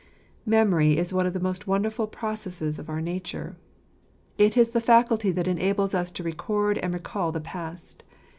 Memory is one of the most wonderful processes of our nature . It is the faculty that enables us to record and recal the past.